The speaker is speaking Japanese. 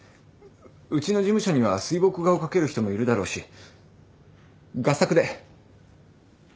うちの事務所には水墨画を描ける人もいるだろうし合作で！